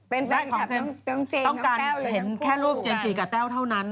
เป็นแฟนคลับน้องเจนกับน้องแต้วต้องการเห็นแค่รูปเจนจีกับแต้วเท่านั้น